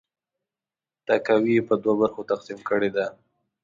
تاکاوی یې په دوه برخو تقسیم کړې ده.